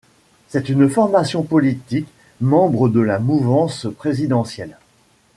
C'est une formation politique membre de la mouvance présidentielle.